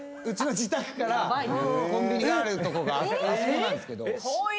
うちの自宅からコンビニがあるとこがあそこなんですけど。